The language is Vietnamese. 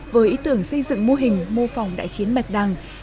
với ý tưởng xây dựng mô hình mô phòng đại chiến bạch đằng